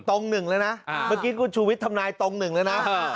ตรงหนึ่งเลยนะเมื่อกี้คุณชูวิทย์ทำนายตรงหนึ่งเลยนะ